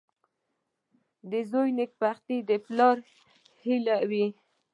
• د زوی نېکبختي د پلار هیله وي.